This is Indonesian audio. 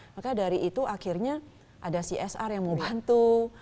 maka dari itu akhirnya ada csr yang mau bantu